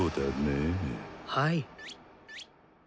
はい。